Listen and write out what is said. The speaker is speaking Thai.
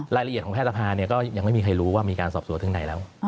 รายละเอียดของแพทย์สภาก็ยังไม่มีใครรู้ว่ามีการสอบสวนถึงไหนแล้ว